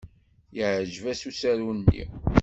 Yeɛjeb-as usaru-nni.